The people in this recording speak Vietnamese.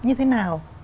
như thế nào